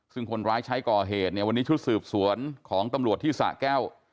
ซึ่งคนร้ายใช้ก่อเหตุเนี่ยวันนี้ชุดสืบสวนของตำรวจที่สะแก้ว